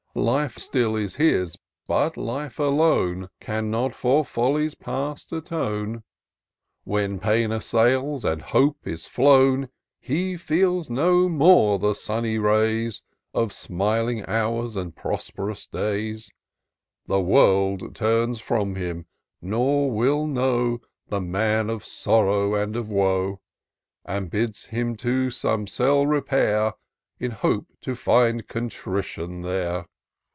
Life still is his — ^but life alone Cannot for follies past atone. When Fain assails, and Hope is flown. He feels no more the sunny rays Of smiling hours and prosp'rous days : The world turns from him, nor will know The man of sorrow and of woe ; But bids him to some cell repair. In hope to find Contrition there.